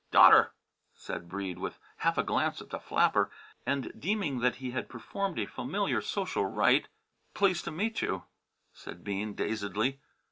"Daughter!" said Breede, with half a glance at the flapper, and deeming that he had performed a familiar social rite. "Pleased to meet you!" said Bean, dazedly.